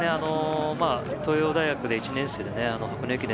東洋大学で１年生で箱根駅伝